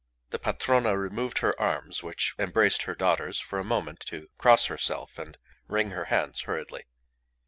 The Patrona removed her arms, which embraced her daughters, for a moment to cross herself and wring her hands hurriedly.